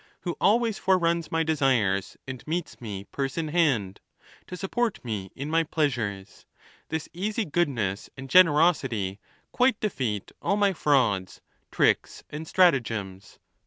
Who always foreruns my desires, and meets me purse in hand, To support me in my pleasures: this easy goodness and generosity Quite defeat all my frauds, tricks, and stratagems.